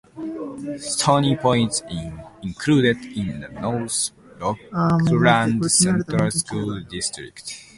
Stony Point is included in the North Rockland Central School District.